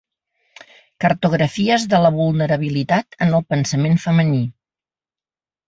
Cartografies de la vulnerabilitat en el pensament femení.